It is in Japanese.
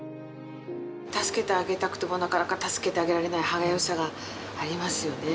助けてあげたくても、なかなか助けてあげられない歯がゆさがありますよね。